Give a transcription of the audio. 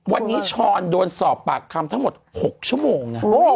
วันนี้ช้อนโดนสอบปากคำทั้งหมด๖ชั่วโมงนะ